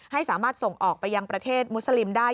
ให้สามารถส่งออกไปยังประเทศมุสลิมได้